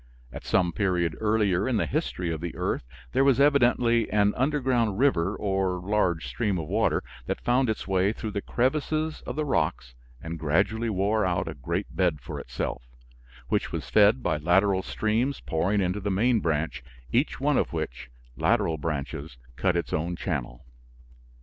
At some period earlier in the history of the earth there was evidently an underground river or large stream of water that found its way through the crevices of the rocks, and gradually wore out a great bed for itself, which was fed by lateral streams pouring into the main branch, each one of which lateral branches cut its own channel.